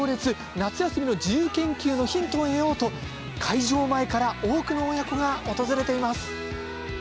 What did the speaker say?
夏休みの自由研究のヒントを得ようと開場前から多くの親子が訪れています。